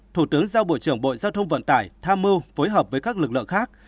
thủ tướng giao bộ trưởng bộ giao thông vận tải tham mưu phối hợp với các lực lượng khác